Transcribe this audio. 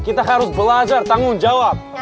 kita harus belajar tanggung jawab